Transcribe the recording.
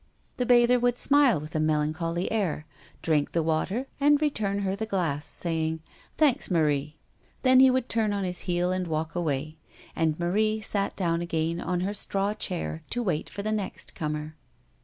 The bather would smile with a melancholy air, drink the water, and return her the glass, saying, "Thanks, Marie." Then he would turn on his heel and walk away. And Marie sat down again on her straw chair to wait for the next comer.